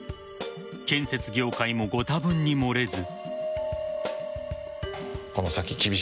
建設業界もご多分に漏れず。